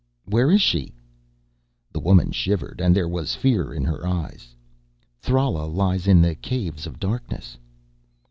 "Where is she?" The woman shivered and there was fear in her eyes. "Thrala lies in the Caves of Darkness."